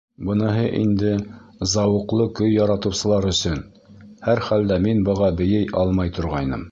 Быныһы инде зауыҡлы көй яратыусылар өсөн, һәр хәлдә мин быға бейей алмай торғайным.